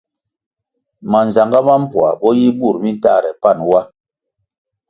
Manzagá ma mpoa bo yi bur mi ntahre pan wa.